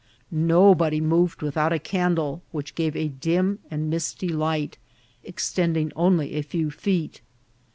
Nobody moved with out a candle, which gave a dim and misty light, ex tending only a few feet.